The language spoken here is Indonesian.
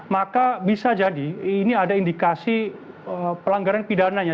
maka bisa jadi ini ada indikasi pelanggaran pidananya